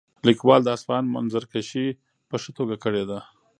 لیکوال د اصفهان منظرکشي په ښه توګه کړې ده.